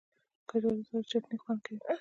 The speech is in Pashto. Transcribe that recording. کچالو سره چټني خوند کوي